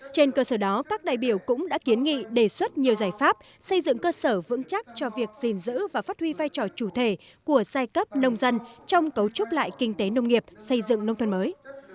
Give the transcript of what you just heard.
trên cơ sở đó các đại biểu cũng đã kiến nghị đề xuất nhiều giải pháp xây dựng cơ sở vững chắc cho việc gìn giữ và phát huy vai trò chủ thể của giai cấp nông dân trong cấu trúc lại kinh tế nông nghiệp xây dựng nông thôn mới